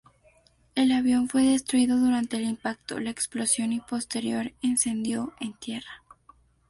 El avión fue destruido durante el impacto, la explosión y posterior incendio en tierra.